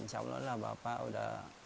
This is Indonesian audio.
insya allah lah bapak udah